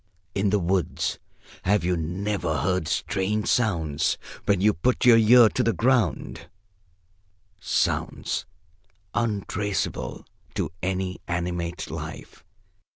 In the woods, have you never heard strange sounds, when you put your ear to the ground sounds untraceable to any animate life?